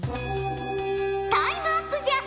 タイムアップじゃ。